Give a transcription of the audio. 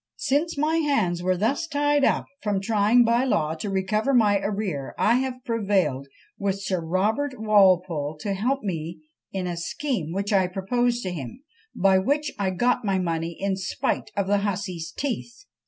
Since my hands were thus tied up from trying by law to recover my arrear, I have prevailed with Sir Robert Walpole _to help me in a scheme which I proposed to him, by which I got my money in spite of the hussy's teeth.